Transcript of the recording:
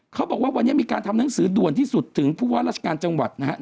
เขาบอกว่าวันนี้มีการทำหนังสือด่วนที่สุดถึงผู้ว่าราชการจังหวัดนะครับ